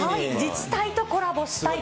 自治体とコラボしたいと。